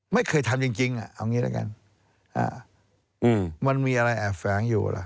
ไม่เคยทำจริงเอาอย่างนี้แล้วกันมันมีอะไรแอฟแฟรงอยู่ล่ะ